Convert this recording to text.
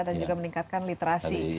dan juga meningkatkan literasi